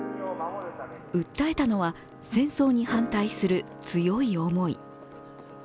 訴えたのは戦争に反対する強い思い。